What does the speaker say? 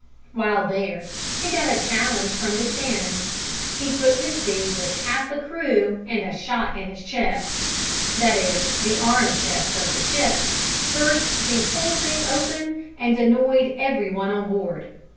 While there, he got a challenge from the Shannon. He put to sea with half a crew, and a shot in his chest that is, the arm chest of the ship burst the whole thing open and annoyed every one on board.